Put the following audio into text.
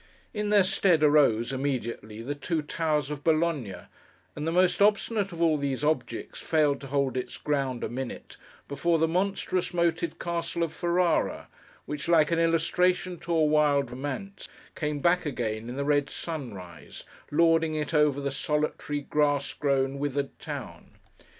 In their stead arose, immediately, the two towers of Bologna; and the most obstinate of all these objects, failed to hold its ground, a minute, before the monstrous moated castle of Ferrara, which, like an illustration to a wild romance, came back again in the red sunrise, lording it over the solitary, grass grown, withered town.